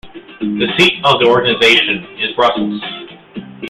The seat of the organisation is Brussels.